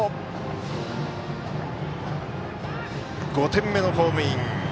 ５点目のホームイン。